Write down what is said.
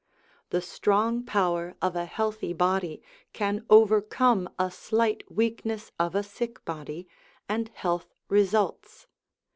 The strong power of a healthy body can overcome a slight weakness of a sick body, and health results.